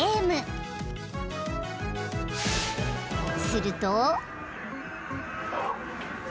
［すると］